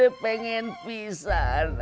bapak itu pengen pisah atu tis